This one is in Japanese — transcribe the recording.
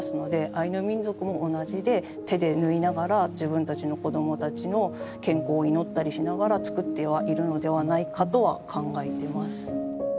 アイヌ民族も同じで手で縫いながら自分たちの子供たちの健康を祈ったりしながら作ってはいるのではないかとは考えてます。